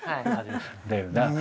だよなぁ。